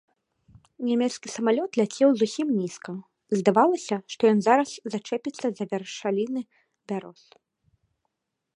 Нямецкі самалёт ляцеў зусім нізка, здавалася, што ён зараз зачэпіцца за вяршаліны бяроз.